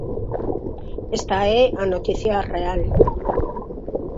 Esta é a noticia real.